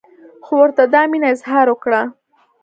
خو ورته دا مینه اظهار وکړه.